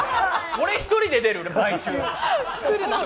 俺１人で出るわ毎週！